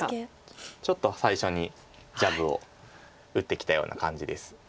ちょっと最初にジャブを打ってきたような感じです。